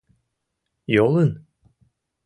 — Йолын?